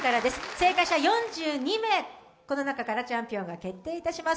正解者４２名、この中からチャンピオンが決定します。